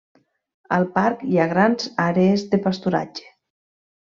Al parc hi ha grans àrees de pasturatge.